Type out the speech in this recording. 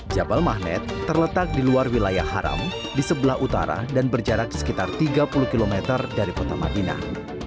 jabal mahnet terletak di luar wilayah haram di sebelah utara dan berjarak sekitar tiga puluh km dari kota madinah